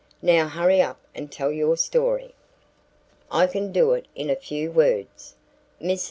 Now hurry up and tell your story." "I can do it in a few words. Mrs.